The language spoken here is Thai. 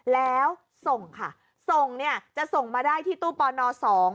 แล้วส่งค่ะส่งเนี่ยจะส่งมาได้ที่ตู้ปอนอสอง